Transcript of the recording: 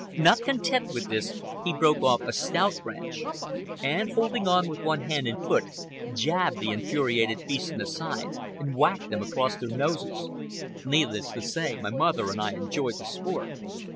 Not content with this, he broke off a stout branch, and, holding on with one hand and foot, jabbed the infuriated beasts in the sides and whacked them across their noses. Needless to state, my mother and I enjoyed the sport.